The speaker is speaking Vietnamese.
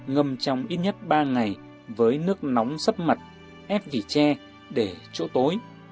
ngâm trong ít nhất ba ngày với nước nóng sấp mặt ép vì che để chỗ tối